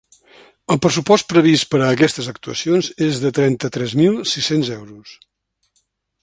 El pressupost previst per a aquestes actuacions és de trenta-tres mil sis-cents euros.